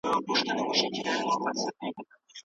مرغلره